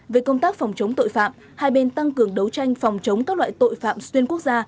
về công tác phòng chống tội phạm hai bên tăng cường đấu tranh phòng chống các loại tội phạm xuyên quốc gia